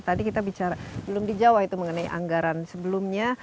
tadi kita bicara belum di jawa itu mengenai anggaran sebelumnya